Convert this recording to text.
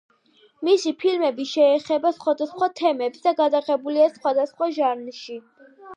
მისი ფილმები შეეხება სხვადასხვა თემებს და გადაღებულია სხვადასხვა ჟანრში.